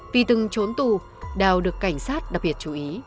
vì từng trốn tù đào được cảnh sát đặc biệt chú ý